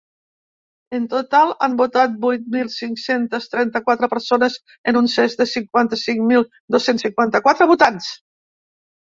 En total, han votat vuit mil cinc-centes trenta-quatre persones en un cens de cinquanta-cinc mil dos-cents cinquanta-quatre votants.